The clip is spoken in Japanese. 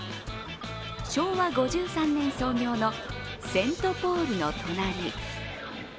昭和５３年創業のセントポールの隣り。